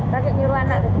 pakai nyuruh anak